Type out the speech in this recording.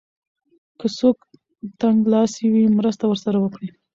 که څوک تنګلاسی وي مرسته ورسره وکړئ.